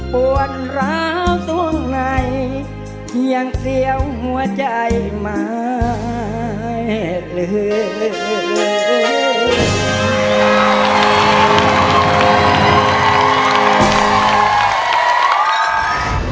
ปวดร้าวส่วนในยังเสียวหัวใจไม่ลืม